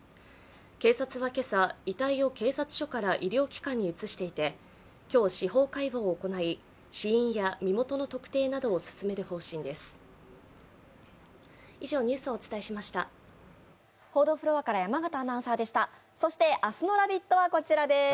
警察は今朝、遺体を警察署から医療機関に移していて今日、司法解剖を行い、死因や身元の特定などを進める方針です。